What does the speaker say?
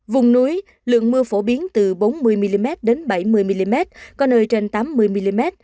vùng núi lượng mưa phổ biến từ bốn mươi mm đến bảy mươi mm có nơi trên tám mươi mm